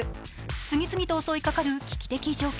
次々と襲いかかる危機的状況。